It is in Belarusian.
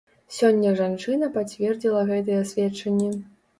Сёння жанчына пацвердзіла гэтыя сведчанні.